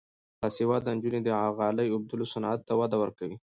باسواده نجونې د غالۍ اوبدلو صنعت ته وده ورکوي.